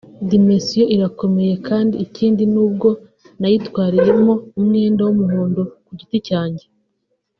Dimension irakomeye kandi ikindi nubwo nayitwariyemo umwenda w’umuhondo ku giti cyanje